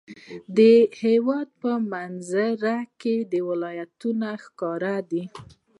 د هېواد په منظره کې ولایتونه ښکاره دي.